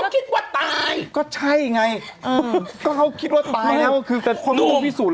เขาที่รู้